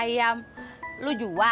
sempa gue kan